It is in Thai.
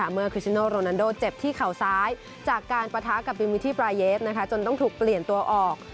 คริชโนโรนันโดเจ็บที่เข่าซ้ายจากการปะทะกับดิมิที่ปราเยฟจนต้องถูกเปลี่ยนตัวออก